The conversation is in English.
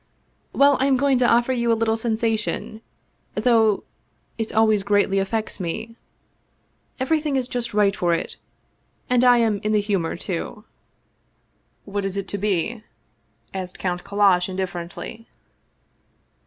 " Well, I am going to offer you a little sensation, though it always greatly affects me. Everything is just right for it, and I am in the humor, too." 239 Russian Mystery Stories "What is it to be?" asked Count Kallash indifferently.